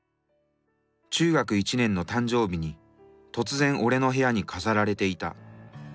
中学１年の誕生日に突然俺の部屋に飾られていた。